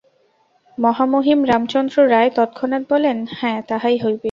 মহামহিম রামচন্দ্র রায় তৎক্ষণাৎ বলেন, হাঁ, তাহাই হইবে।